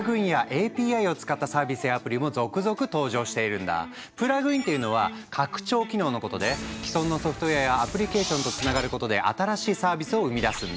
そして今プラグインっていうのは拡張機能のことで既存のソフトウェアやアプリケーションとつながることで新しいサービスを生み出すんだ。